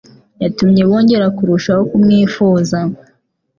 Yatumye bongera kurushaho kumwifuza;